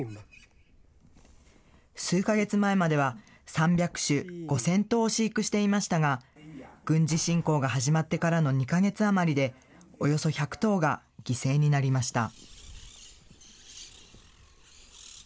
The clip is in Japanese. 数か月前までは、３００種５０００頭を飼育していましたが、軍事侵攻が始まってからの２か月余りで、およそ１００頭が犠牲になりました。